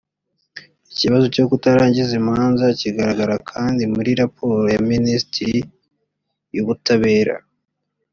ikibazo cyo kutarangiza imanza kigaragara kandi muri raporo ya minisiteri y ubutabera